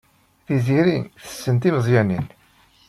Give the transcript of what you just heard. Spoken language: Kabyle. Tiziri tessen timeẓyanin.